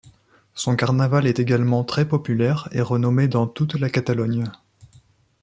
Son carnaval est également très populaire et renommé dans toute la Catalogne.